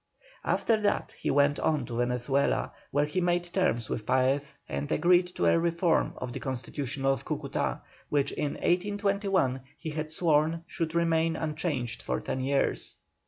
After that he went on to Venezuela, where he made terms with Paez, and agreed to a reform of the Constitution of Cúcuta, which in 1821 he had sworn should remain unchanged for ten years.